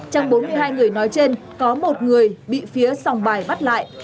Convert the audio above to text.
trong bốn mươi hai người nói trên có một người bị phía sòng bài bắt lại